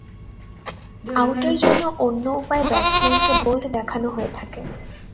আউটের অন্য উপায়ে ব্যাটসম্যানকে বোল্ড দেখানো হয়ে থাকে।